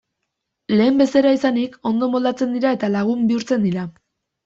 Lehen bezeroa izanik, ondo moldatzen dira eta lagun bihurtzen dira.